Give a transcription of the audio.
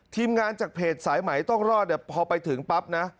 ทีมงานจากเพจสายไหมต้องรอดเนี่ยพอไปถึงปั๊บนะ